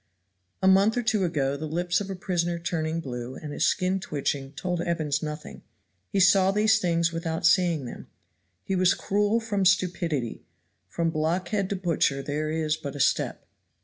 A month or two ago the lips of a prisoner turning blue and his skin twitching told Evans nothing. He saw these things without seeing them. He was cruel from stupidity from blockhead to butcher there is but a step.